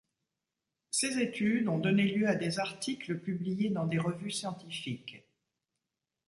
Ces études ont donné lieu à des articles publiés dans des revues scientifiques.